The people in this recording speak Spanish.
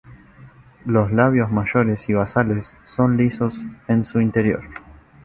Los labios mayores y basales son lisos en su interior.